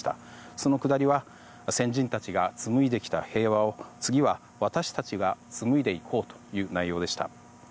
そのくだりは「先人達が紡いできた平和を次は私達が紡いでいこう」という内容でした。